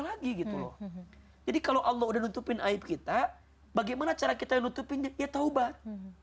lagi gitu loh jadi kalau allah udah nutupin aib kita bagaimana cara kita nutupinnya ya taubat